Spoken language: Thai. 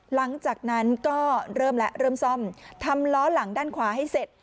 หลังจากนั้นก็เริ่มแล้วเริ่มซ่อมทำล้อหลังด้านขวาให้เสร็จ